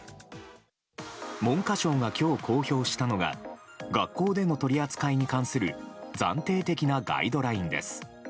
文科省が今日、公表したのが学校での取り扱いに関する暫定的なガイドラインです。